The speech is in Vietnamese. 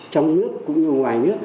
trong nước cũng như ngoài nước